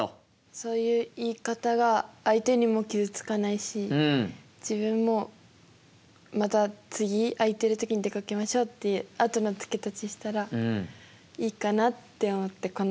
そういう言い方が相手にも傷つかないし自分もまた次空いてる時に出かけましょうっていうあとの付け足ししたらいいかなって思ってこの言葉を選びました。